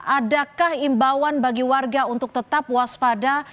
adakah imbauan bagi warga untuk tetap waspada